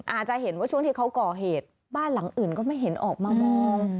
อาจจะเห็นว่าช่วงที่เขาก่อเหตุบ้านหลังอื่นก็ไม่เห็นออกมามอง